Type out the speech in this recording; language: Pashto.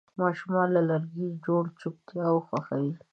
ماشومان له لرګي جوړ لوبتیاوې خوښوي.